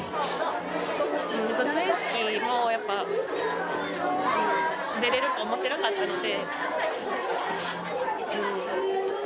卒園式もやっぱり、出れると思ってなかったので。